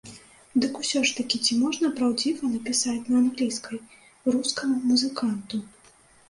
Дык усё ж такі, ці можна праўдзіва напісаць на англійскай рускаму музыканту?